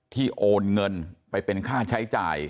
โอนเงินไปเป็นค่าใช้จ่าย